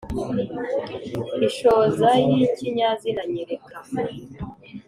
inshoza yi kinyazina nyereka